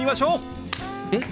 えっ？